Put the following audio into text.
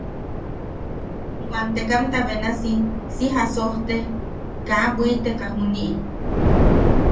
Wantekamta benasi si jasojte kaa bwiteka juniʼi.